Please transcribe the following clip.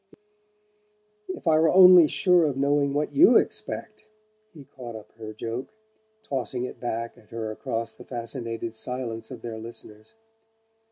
"If I were only sure of knowing what you expect!" he caught up her joke, tossing it back at her across the fascinated silence of their listeners.